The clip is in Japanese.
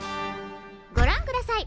ご覧ください。